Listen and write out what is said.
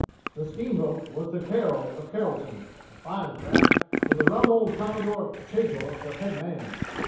"The steamboat was the Carroll of Carrollton, a fine craft, with the rum old Commodore Chaytor for head man.